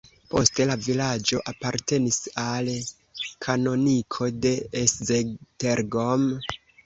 Poste la vilaĝo apartenis al kanoniko de Esztergom.